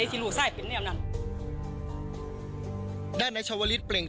ช่วยเร่งจับตัวคนร้ายให้ได้โดยเร่ง